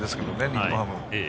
日本ハムは。